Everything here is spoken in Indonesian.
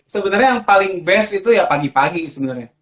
sebenarnya yang paling best itu ya pagi pagi sebenarnya